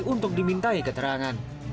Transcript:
untuk dimintai keterangan